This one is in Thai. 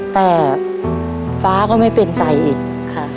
แต่ฟ้าก็ไม่เป็นใจอีกค่ะ